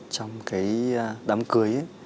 trong cái đám cưới